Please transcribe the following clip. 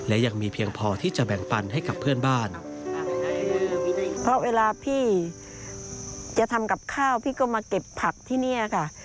เวลาพี่จะทำกับข้าวพี่ก็มาเก็บผักที่นี่ค่ะ